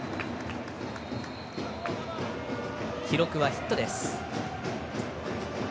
記録はヒットです。